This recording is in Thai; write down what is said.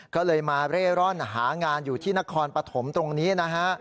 ก็เลยมาเร่ร่อนหางานอยู่ที่นครปฐมตรงนี้นะฮะ